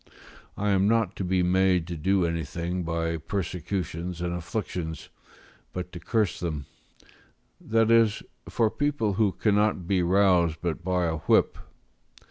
I am not to be made to do anything by persecutions and afflictions, but to curse them: that is, for people who cannot be roused but by a whip.